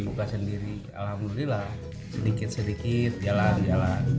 buka sendiri alhamdulillah sedikit sedikit jalan jalan